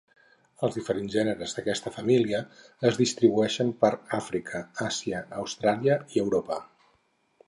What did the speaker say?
Els diferents gèneres d'aquesta família es distribueixen per Àfrica, Àsia, Austràlia i Europa.